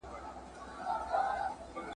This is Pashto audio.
د خدای دوستان مرستي ته راغلي دي.